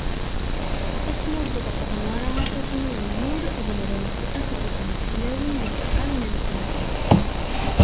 Asmi ur d-leqqḍen ara aṭas n uzemmur, zemrent ad t-zḍent tlawin deg yixxamen-nsent.